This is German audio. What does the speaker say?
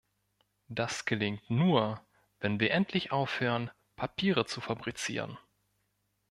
Das gelingt nur, wenn wir endlich aufhören, Papiere zu fabrizieren.